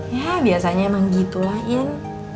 ya biasanya emang gitu lah ian